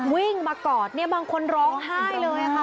วิ่งมากอดเนี่ยบางคนร้องไห้เลยค่ะ